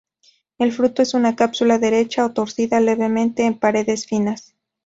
El fruto es una cápsula derecha a torcida levemente, de paredes finas.